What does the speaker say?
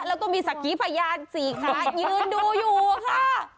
แล้วก็มีสักขีพยานสี่ขายืนดูอยู่ค่ะ